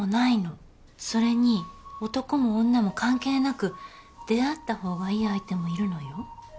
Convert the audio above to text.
それに男も女も関係なく出会ったほうがいい相手もいるのよ。